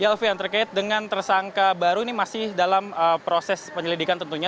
ya alfian terkait dengan tersangka baru ini masih dalam proses penyelidikan tentunya